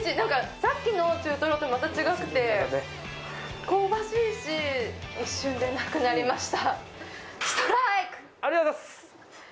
さっきの中トロとまた違くて香ばしいし一瞬でなくなりました。